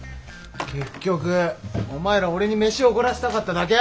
結局お前ら俺に飯おごらせたかっただけ？